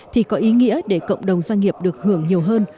thì có ý nghĩa để cộng đồng doanh nghiệp được hưởng nhiều hơn